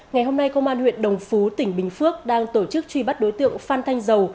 ngày hôm nay công an huyện đồng phú tỉnh bình phước đang tổ chức truy bắt đối tượng phan thanh dầu